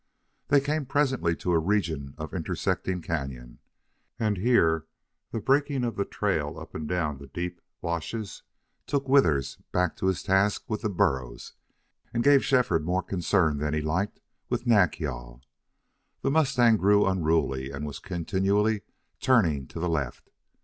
They came presently to a region of intersecting cañon, and here the breaking of the trail up and down the deep washes took Withers back to his task with the burros and gave Shefford more concern than he liked with Nack yal. The mustang grew unruly and was continually turning to the left.